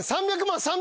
３００万。